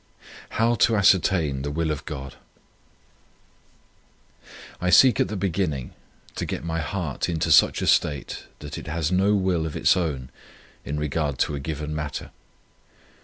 HOW TO ASCERTAIN THE WILL OF GOD I seek at the beginning to get my heart into such a state that it has no will of its own in regard to a given matter.